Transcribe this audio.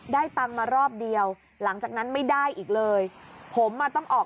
ตังค์มารอบเดียวหลังจากนั้นไม่ได้อีกเลยผมอ่ะต้องออก